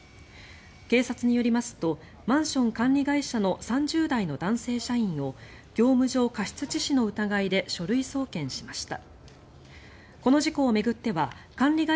警察によりますとマンション管理会社の３０代の男性社員を業務上過失致死の疑いで書類送検しました。